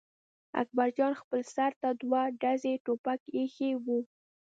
اکبر جان خپل سر ته دوه ډزي ټوپک اېښی و.